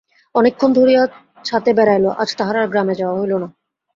অনেকক্ষণ ধরিয়া ছাতে বেড়াইল, আজ তাহার আর গ্রামে যাওয়া হইল না।